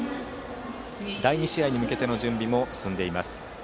第２試合に向けての準備も進んでいます。